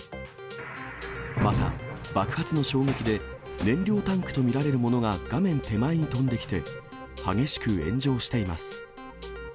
また、爆発の衝撃で、燃料タンクと見られるものが画面手前に飛んできて、激しく炎上しています。